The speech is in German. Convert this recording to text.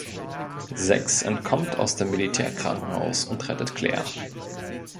Sechs entkommt aus dem Militärkrankenhaus und rettet Claire.